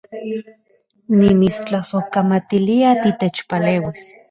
Nimitstlasojkamatilia titechpaleuis